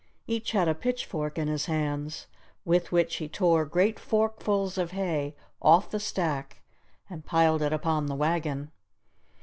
Each had a pitchfork in his hands, with which he tore great forkfuls of hay off the stack and piled it upon the wagon.